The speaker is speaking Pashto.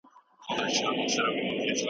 وئیل یې یو عذاب د انتظار په نوم یادېږي